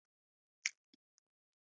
د واک ناسم کارول زوال راولي